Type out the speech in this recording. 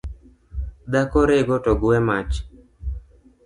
Dhako rego togwe mach